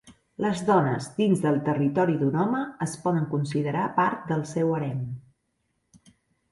Les dones dins del territori d'un home es poden considerar part del seu harem.